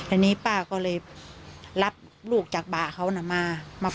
อันนี้ป้าก็เลยรับลูกจากบ่าเขาน่ะมา